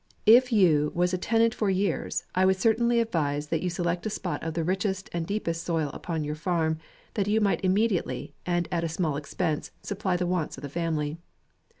If you was a tenant for years, I would certainly ad vise, that you select a spot of the richest and deepest soil upon your farm, that you might immediately, and at a small expense, supply the wants of the family.